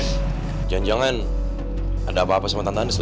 jangan jangan ada apa apa sama tante